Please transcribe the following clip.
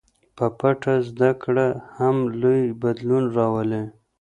په پټه زده کړه هم لوی بدلون راولي.